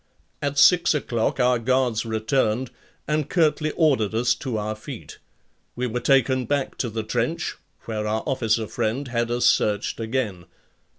At six o'clock our guards returned and curtly ordered us to our feet. We were taken back to the trench, where our officer friend had us searched again.